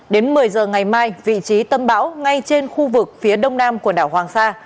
đến một mươi giờ ngày mai vị trí tâm bão ngay trên khu vực phía đông nam quần đảo hoàng sa